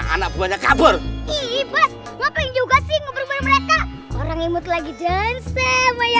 anak buahnya kabur ibu ngapain juga sih ngobrol mereka orang imut lagi dan saya yang tahu dan saya